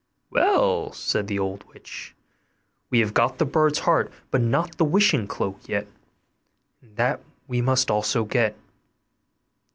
'Well,' said the old witch, 'we have got the bird's heart, but not the wishing cloak yet, and that we must also get.